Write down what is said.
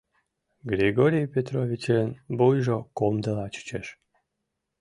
Григорий Петровичын вуйжо комдыла чучеш.